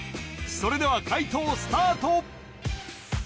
それでは解答スタート